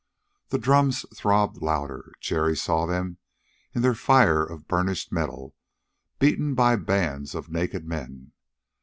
The drums throbbed louder. Jerry saw them in their fire of burnished metal, beaten by the bands of naked men.